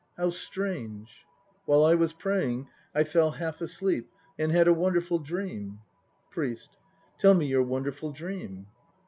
How strange! While I was praying I fell half asleep and had a wonderful dream. PRIEST. Tell me your wonderful dream.